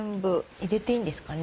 入れていいんですかね？